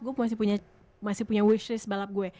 gue masih punya wishlist balap gue